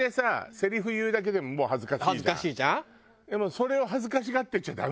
それを恥ずかしがってちゃダメ。